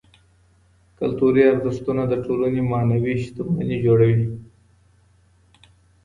کلتوري ارزښتونه د ټولني معنوي شتمني جوړوي.